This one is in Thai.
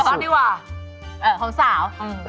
ของสาว